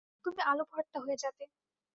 তুমি আলুভর্তা হয়ে যাবে।